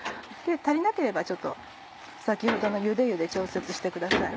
足りなければちょっと先ほどのゆで湯で調節してください。